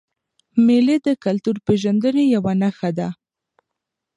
مېلې د کلتوري پیژندني یوه نخښه ده.